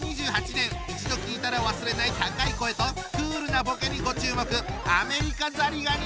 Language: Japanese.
一度聞いたら忘れない高い声とクールなボケにご注目。